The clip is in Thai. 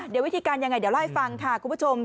เดี๋ยววิธีการยังไงเดี๋ยวเล่าให้ฟังค่ะคุณผู้ชม